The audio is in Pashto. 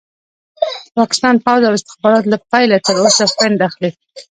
د پاکستان پوځ او استخبارات له پيله تر اوسه فنډ اخلي.